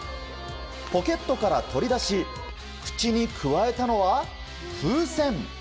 ポケットから取り出し口にくわえたのは、風船。